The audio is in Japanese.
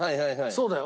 そうだよ。